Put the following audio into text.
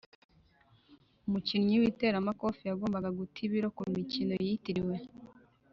umukinnyi w'iteramakofe yagombaga guta ibiro kumikino yitiriwe.